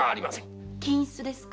金子ですか？